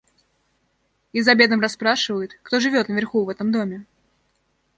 И за обедом расспрашивают, кто живет наверху в этом доме.